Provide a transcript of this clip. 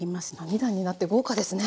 ２段になって豪華ですね！